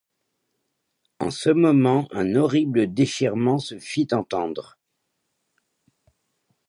En ce moment un horrible déchirement se fit entendre.